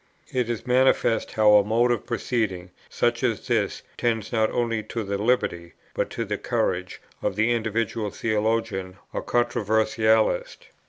It is manifest how a mode of proceeding, such as this, tends not only to the liberty, but to the courage, of the individual theologian or controversialist.